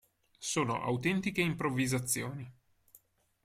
Sono autentiche improvvisazioni.